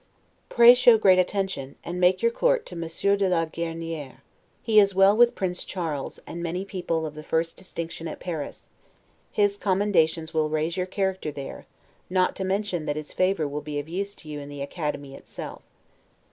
Pray show great attention, and make your court to Monsieur de la Gueriniere; he is well with Prince Charles and many people of the first distinction at Paris; his commendations will raise your character there, not to mention that his favor will be of use to you in the Academy itself.